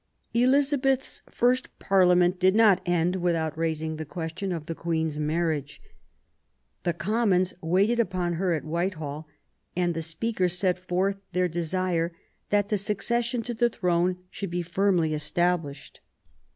Elizabeth's first Parliament did not end without raising the question of the Queen's marriage. The Commons waited upon her at Whitehall, and the .56 QUEEN ELIZABETH. Speaker set forth their desire that the succession to the Throne should be firmly established.